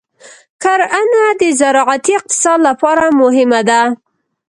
کرنه د زراعتي اقتصاد لپاره مهمه ده.